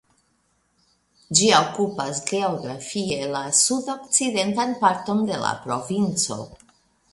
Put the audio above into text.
Ĝi okupas geografie la sudokcidentan parton de la provinco.